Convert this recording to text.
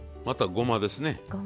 またごまですね。